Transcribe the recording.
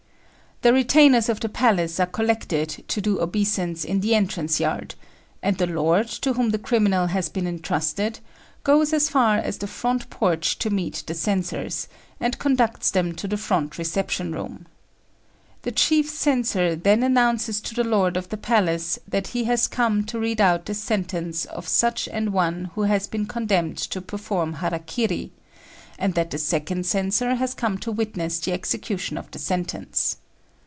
The retainers of the palace are collected to do obeisance in the entrance yard; and the lord, to whom the criminal has been entrusted, goes as far as the front porch to meet the censors, and conducts them to the front reception room. The chief censor then announces to the lord of the palace that he has come to read out the sentence of such an one who has been condemned to perform hara kiri, and that the second censor has come to witness the execution of the sentence.